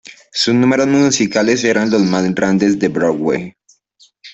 Sus números musicales eran los más grandes de Broadway.